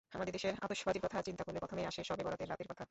আমাদের দেশের আতশবাজির কথা চিন্তা করলে প্রথমেই আসে শবে বরাতের রাতের কথা।